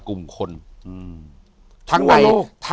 อยู่ที่แม่ศรีวิรัยิลครับ